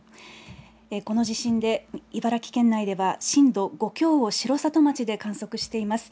この地震で、茨城県内では震度５強を城里町で観測しています。